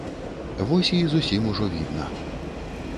Вось і зусім ужо відна.